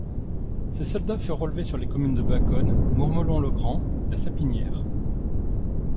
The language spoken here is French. Ces soldats furent relevés sur les communes de Baconnes, Mourmelon-le-Grand, La Sapinière.